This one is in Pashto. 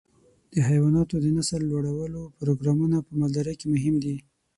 د حيواناتو د نسل لوړولو پروګرامونه په مالدارۍ کې مهم دي.